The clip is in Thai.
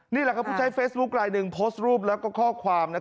นี่แหละครับผู้ใช้เฟซบุ๊คลายหนึ่งโพสต์รูปแล้วก็ข้อความ